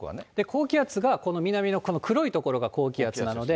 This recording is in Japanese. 高気圧がこの南の黒い所が高気圧なので。